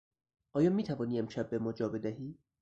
آیا میتوانی امشب به ما جا بدهی؟